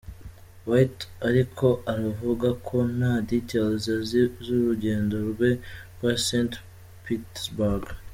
White ariko aravugako nta details azi z’urugendo rwe rwa Saint –Petersbourg.